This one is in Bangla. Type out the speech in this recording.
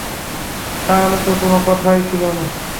তাহলে তো কোনো কথাই ছিল না।